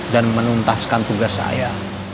dan menuntaskan tugas saya